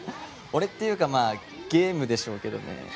俺っていうかまあゲームでしょうけどね・